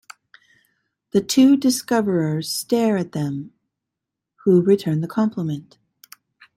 The two discoverers stare at them, who return the compliment.